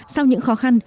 sau những khó khăn